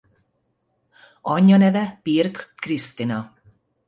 Anyja neve Pirkl Krisztina.